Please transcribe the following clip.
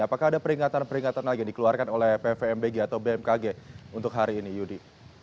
apakah ada peringatan peringatan lagi yang dikeluarkan oleh pvmbg atau bmkg untuk hari ini yudi